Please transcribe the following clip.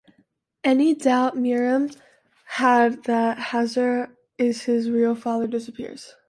Any doubt Miran had that Hazar is his real father disappears.